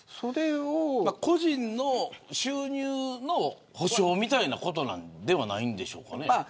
個人の収入の補償みたいなことなんではないんでしょうかね。